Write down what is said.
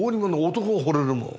男がほれるもん。